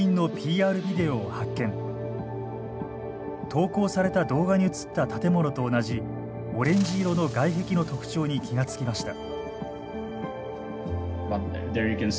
投稿された動画に映った建物と同じオレンジ色の外壁の特徴に気が付きました。